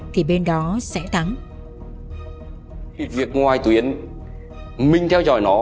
thì bên đó sẽ thắng